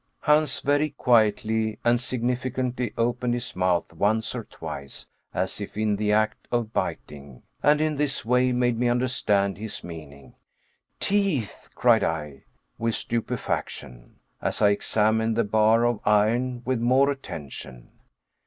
Hans very quietly and significantly opened his mouth once or twice, as if in the act of biting, and in this way made me understand his meaning. "Teeth!" cried I, with stupefaction, as I examined the bar of iron with more attention.